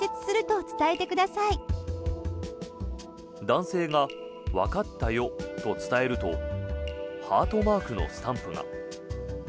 男性が、わかったよと伝えるとハートマークのスタンプが。